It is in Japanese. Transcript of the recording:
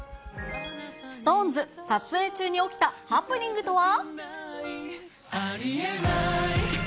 ＳｉｘＴＯＮＥＳ、撮影中に起きたハプニングとは。